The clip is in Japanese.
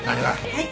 はい。